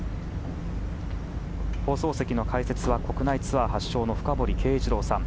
放送席の解説は国内ツアー８勝の深堀圭一郎さん。